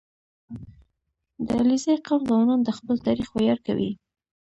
• د علیزي قوم ځوانان د خپل تاریخ ویاړ کوي.